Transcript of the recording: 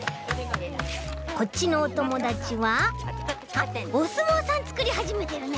こっちのおともだちはおすもうさんつくりはじめてるね！